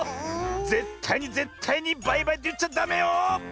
ぜったいにぜったいにバイバイっていっちゃダメよ。